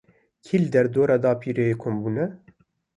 Kî li derdora dapîrê kom bûne?